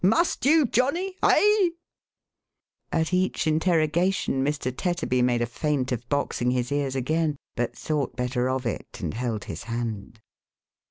Must you, Johnny ? Hey ?" At each interrogation, Mr. Tetterby made a feint of boxing his ears again, but thought better of it, and held his hand.